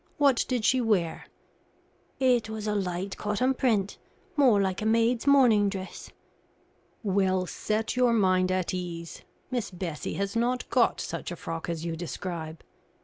What did she wear?" "It was a light cotton print more like a maid's morning dress." "Well, set your mind at ease; Miss Bessie has not got such a frock as you describe."